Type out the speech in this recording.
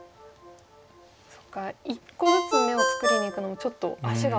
そっか１個ずつ眼を作りにいくのもちょっと足が遅い可能性も。